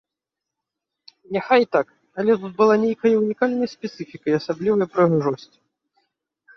Няхай і так, але тут была нейкая ўнікальная спецыфіка і асаблівая прыгажосць.